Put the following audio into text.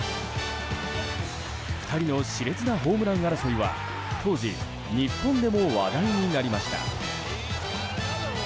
２人の熾烈なホームラン争いは当時日本でも話題になりました。